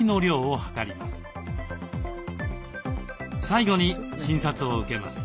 最後に診察を受けます。